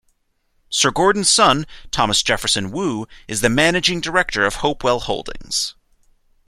Sir Gordon's son, Thomas Jefferson Wu, is the managing director of Hopewell Holdings.